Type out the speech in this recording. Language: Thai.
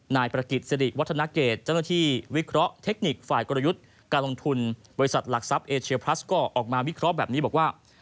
นายประกิจสิริวัฒนาเกตเจ้าหน้าที่วิเคราะห์เทคนิคฝ่ายกลยุทธ์การลงทุนบริษัทหลักทรัพย์เอเชียพลัสก็ออกมาวิเคราะห์แบบนี้บอกว่า